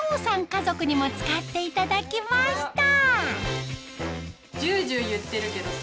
家族にも使っていただきました